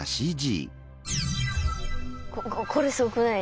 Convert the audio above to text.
これすごくない？